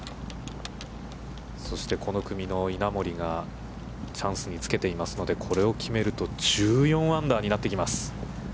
そして、この組の稲森がチャンスにつけていますので、これを決めると、１４アンダーになってきます。